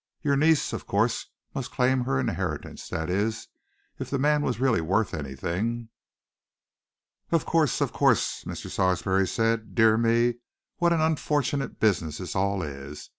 "Your niece, of course, must claim her inheritance that is, if the man was really worth anything." "Of course! Of course!" Mr. Sarsby said. "Dear me, what an unfortunate business this all is!